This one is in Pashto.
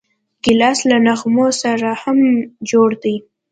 ګیلاس له نغمو سره هم جوړ دی.